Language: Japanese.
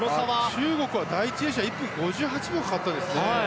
中国は第１泳者が１分５８秒もかかったんですね。